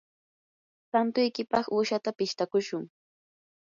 santuykipaq uushata pishtakushun.